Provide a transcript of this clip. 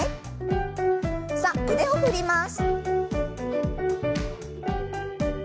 さあ腕を振ります。